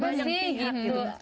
karena banyak pihak gitu